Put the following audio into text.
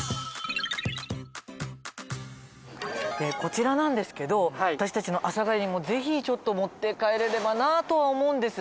こちらなんですけど私たちの阿佐ヶ谷にもぜひちょっと持って帰れればなとは思うんですが。